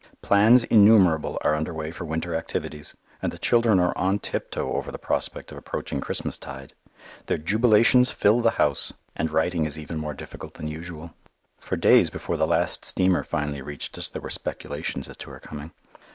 Plans innumerable are under way for winter activities, and the children are on tiptoe over the prospect of approaching Christmastide. Their jubilations fill the house, and writing is even more difficult than usual. For days before the last steamer finally reached us there were speculations as to her coming.